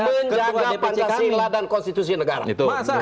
menjaga pancasila dan konstitusi negara